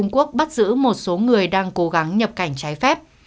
người đang cố gắng nhập cảnh trái phép